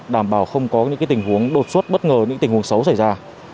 đảm bảo không có những tình huống đột xuất bất ngờ những tình huống xấu xảy ra